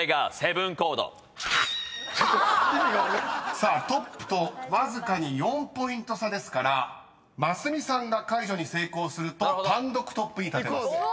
［さあトップとわずかに４ポイント差ですからますみさんが解除に成功すると単独トップに立てます］